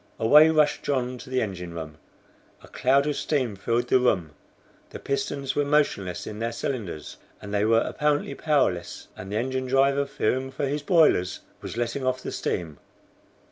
Away rushed John to the engine room. A cloud of steam filled the room. The pistons were motionless in their cylinders, and they were apparently powerless, and the engine driver, fearing for his boilers, was letting off the steam.